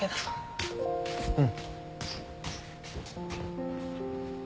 うん。